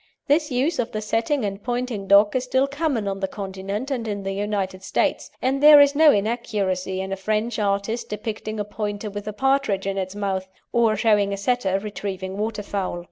This use of the setting and pointing dog is still common on the Continent and in the United States, and there is no inaccuracy in a French artist depicting a Pointer with a partridge in its mouth, or showing a Setter retrieving waterfowl.